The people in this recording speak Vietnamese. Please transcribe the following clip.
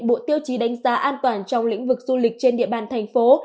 bộ tiêu chí đánh giá an toàn trong lĩnh vực du lịch trên địa bàn thành phố